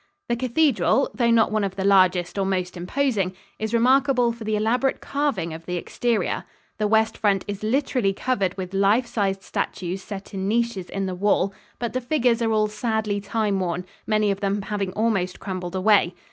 The cathedral, though not one of the largest or most imposing, is remarkable for the elaborate carving of the exterior. The west front is literally covered with life sized statues set in niches in the wall, but the figures are all sadly time worn, many of them having almost crumbled away.